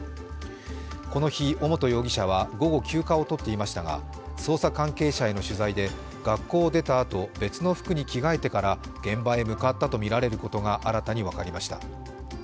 この日、尾本容疑者は午後休暇を取っていましたが、捜査関係者への取材で、学校を出たあと別の服に着替えてから現場へ向かったとみられることが新たに分かりました。